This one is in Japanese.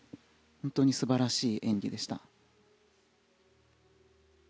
本当に素晴らしい演技でした。